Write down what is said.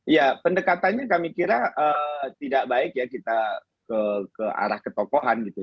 ya pendekatannya kami kira tidak baik ya kita ke arah ketokohan gitu